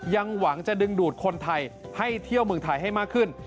หวังจะดึงดูดคนไทยให้เที่ยวเมืองไทยให้มากขึ้น